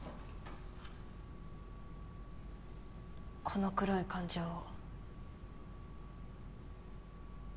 この黒い感情を。